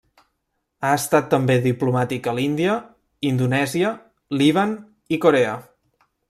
Ha estat també diplomàtic a l'Índia, Indonèsia, Líban i Corea.